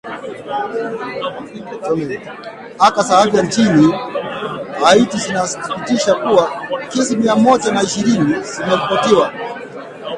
aka za afya nchini haiti zinathibitisha kuwa kesi mia moja na ishirini zimeripotiwa